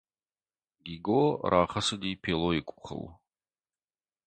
Гиго рахӕцыди Пелойы къухыл.